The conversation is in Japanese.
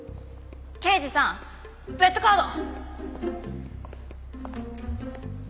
刑事さんレッドカード！